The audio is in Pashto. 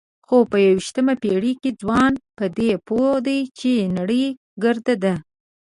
خو په یوویشتمه پېړۍ کې ځوانان په دې پوه دي چې نړۍ ګرده ده.